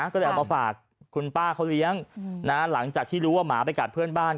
ก็เลยเอามาฝากคุณป้าเขาเลี้ยงหลังจากที่รู้ว่าหมาไปกัดเพื่อนบ้าน